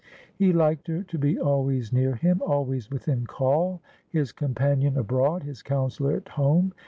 He liked her to be always near him, always within call, his companion abroad, his counsellor at home.